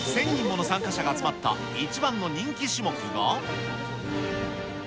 １０００人もの参加者が集まった一番の人気種目が。